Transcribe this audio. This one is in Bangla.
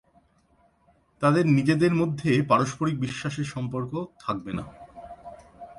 তাদের নিজেদের মধ্যে পারস্পরিক বিশ্বাসের সম্পর্ক থাকবে না।